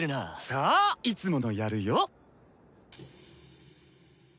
さぁいつものやるヨ。